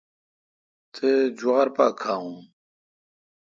تے°جوار پا کھاوون۔